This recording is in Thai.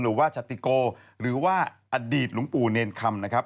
หรือว่าชติโกหรือว่าอดีตหลวงปู่เนรคำนะครับ